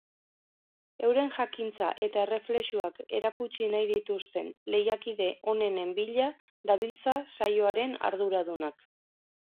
Euren jakintza eta erreflexuak erakutsi nahi dituzten lehiakide onenen bila dabiltza saioaren arduradunak.